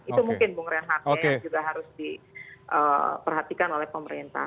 itu mungkin bung rehatnya yang juga harus diperhatikan oleh pemerintah